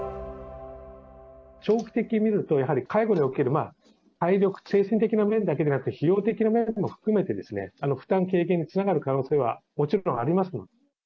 長期的に見ると、やはり介護における体力、精神的な面だけでなくて、費用的な面も含めて、負担軽減につながる可能性はもちろんあります。